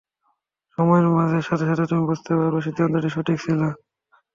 সময়ের সাথে সাথে তুমি বুঝতে পারবে সিদ্ধান্তটি সঠিক ছিল।